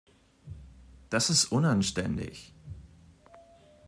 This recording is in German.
Das ist unanständig!